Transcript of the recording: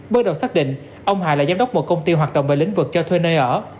bước đầu xác định ông hà là giám đốc một công ty hoạt động về lĩnh vực cho thuê nơi ở